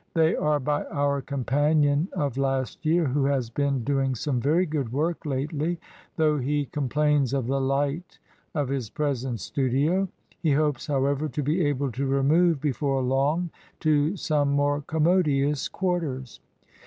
They are by our companion of last year, who has been doing some very good work lately, though he com plains of the light of his present studio; he hopes, however, to be able to remove before long to some more commodious quarters.